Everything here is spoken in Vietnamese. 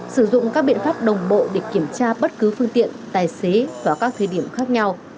sử dụng các biện pháp đồng bộ để kiểm tra bất cứ phương tiện tài xế vào các thời điểm khác nhau